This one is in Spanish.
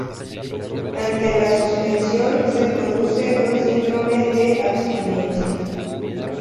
Ante la suspensión se produce un síndrome de abstinencia.